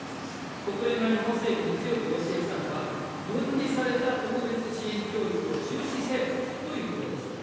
国連が日本政府に強く要請したのは、分離された特別支援教育を中止せよということでした。